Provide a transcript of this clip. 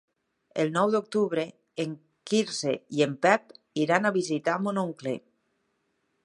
El nou d'octubre en Quirze i en Pep iran a visitar mon oncle.